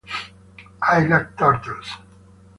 I like turtles.